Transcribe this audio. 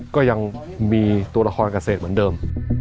ก็ยังมีตัวละครเกษตรเหมือนเดิม